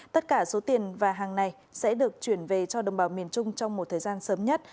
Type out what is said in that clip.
tất cả số tiền và hàng này sẽ được chuyển về cho đồng bào miền trung trong một thời gian sớm nhất